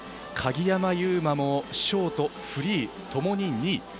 鍵山優真もショート、フリーともに２位。